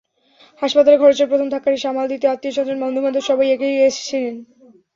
হাসপাতালের খরচের প্রথম ধাক্কাটি সামাল দিতে আত্মীয়স্বজন, বন্ধুবান্ধব সবাই এগিয়ে এসেছিলেন।